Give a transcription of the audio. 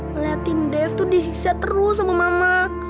sen ngeliatin dev tuh disiksa terus sama mama